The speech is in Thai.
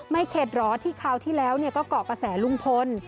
ไม่เคล็ดร้อที่คราวที่แล้วเนี่ยก็เกาะประแสลุงพล